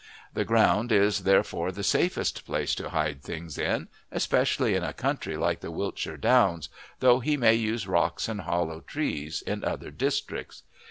The ground is therefore the safest place to hide things in, especially in a country like the Wiltshire Downs, though he may use rocks and hollow trees in other districts.